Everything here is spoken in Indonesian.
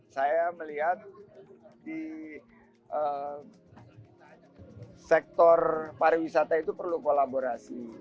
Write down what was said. saya melihat di sektor pariwisata itu perlu kolaborasi